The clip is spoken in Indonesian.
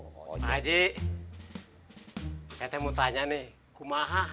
pak haji saya teh mau tanya nih